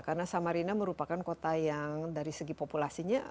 karena samarinda merupakan kota yang dari segi populasinya